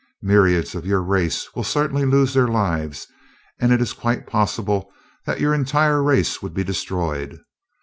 Myriads of your race will certainly lose their lives, and it is quite possible that your entire race would be destroyed.